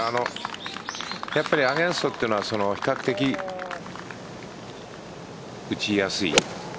アゲインストというのは比較的打ちやすい。